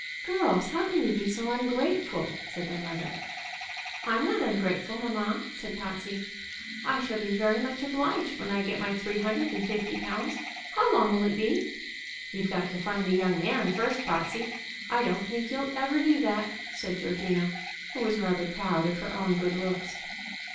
"Girls, how can you be so ungrateful?" said their mother. "I'm not ungrateful, mamma," said Potsey. "I shall be very much obliged when I get my three hundred and fifty pounds. How long will it be?" "You've got to find the young man first, Potsey. I don't think you'll ever do that," said Georgina, who was rather proud of her own good looks.